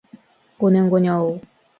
五年後にあおう